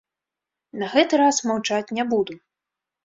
На гэты раз маўчаць не буду!